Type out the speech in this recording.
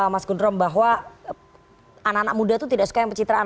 mas gundrom bahwa anak anak muda itu tidak suka yang pencitraan